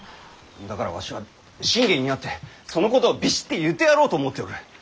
だからわしは信玄に会ってそのことをビシッて言ってやろうと思っておる！